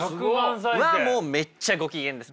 もうめっちゃご機嫌です。